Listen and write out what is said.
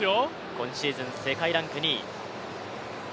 今シーズン世界ランク２位。